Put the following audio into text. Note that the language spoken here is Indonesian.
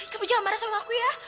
kamu jangan marah sama aku ya